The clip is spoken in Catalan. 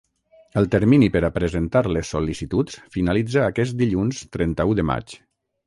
El termini per a presentar les sol·licituds finalitza aquest dilluns trenta-u de maig.